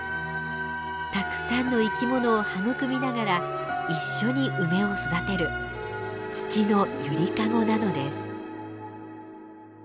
たくさんの生き物を育みながら一緒に梅を育てる土の揺りかごなのです。